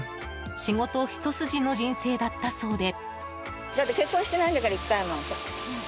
仕事ひと筋の人生だったそうで。